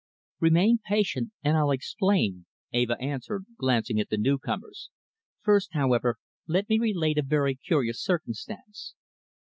"Remain patient and I'll explain," Eva answered, glancing at the new comers. "First, however, let me relate a very curious circumstance.